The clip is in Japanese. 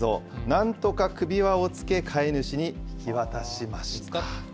なんとか首輪をつけ、飼い主に引き渡しました。